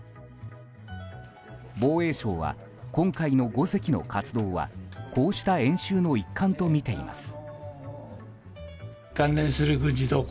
防衛省は、今回の５隻の活動はこうした演習の一環とみています。